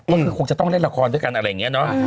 ก็คือคงจะต้องเล่นละครด้วยกันอะไรอย่างนี้เนอะ